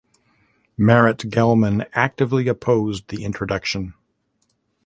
Marat Gelman actively opposed the introduction.